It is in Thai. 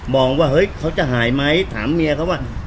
บอกว่าเฮ้ยเขาจะหายไหมถามเมียเขาว่า